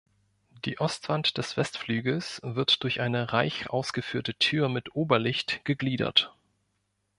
Die Ostwand des Westflügels wird durch eine reich ausgeführte Tür mit Oberlicht gegliedert.